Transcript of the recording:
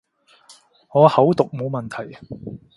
我口讀冇問題